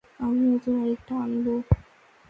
আমি নতুন আরেকটা আনবো।